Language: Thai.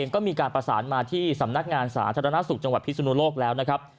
ก็มีการประสานมาที่สำนักงานสาธารณสุขจังหวัดพิศนุโลกแล้วนะครับ